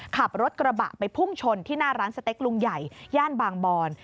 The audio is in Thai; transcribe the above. ขับรถกระบะไปพุ่งชนที่หน้าร้านสเต็กลุงใหญ่ย่านบางบอน